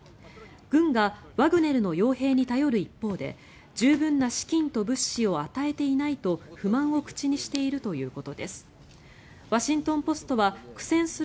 軍がワグネルの傭兵に頼る一方で十分な資金と物資を与えていないと不満を口にしているということです。